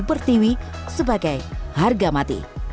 pertiwi sebagai harga mati